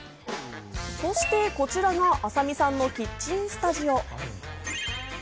そしてこちらがあさみさんのキッチンスタジオ。